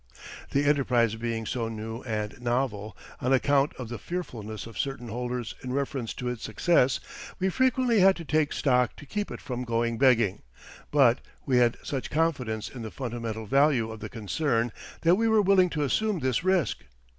The enterprise being so new and novel, on account of the fearfulness of certain holders in reference to its success, we frequently had to take stock to keep it from going begging, but we had such confidence in the fundamental value of the concern that we were willing to assume this risk.